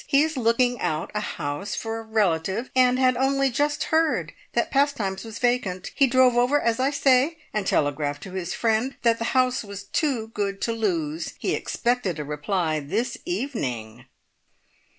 He is looking out a house for a relative, and had only just heard that Pastimes was vacant. He drove over, as I say, and telegraphed to his friend that the house was too good to lose. He expected a reply this evening."